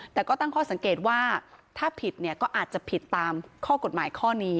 แต่ก็ตั้งข้อสังเกตว่าถ้าผิดเนี่ยก็อาจจะผิดตามข้อกฎหมายข้อนี้